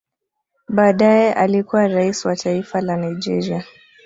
Baadaye alikuwa rais wa taifa la Nigeria